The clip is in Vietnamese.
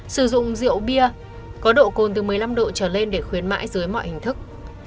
sử dụng rượu bia có độ cồn từ một mươi năm độ trở lên để khuyến mãi dưới mọi hình thức